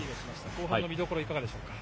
後半の見どころはいかがでしょうか。